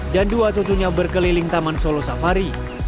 dan dua cucunya berkeliling taman solo safari